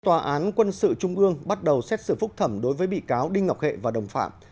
tòa án quân sự trung ương bắt đầu xét xử phúc thẩm đối với bị cáo đinh ngọc hệ và đồng phạm